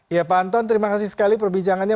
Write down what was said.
ya pak anton terima kasih sekali perbincangannya